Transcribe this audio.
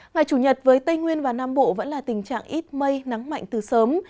ngày chủ nhật với tây nguyên và nam bộ vẫn là tình trạng ít mây nắng mạnh từ sớm